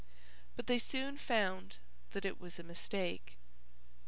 But they soon found that it was a mistake.